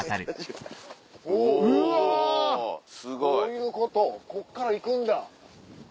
こういうことここから行くんだ。